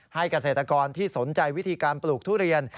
เกษตรกรที่สนใจวิธีการปลูกทุเรียน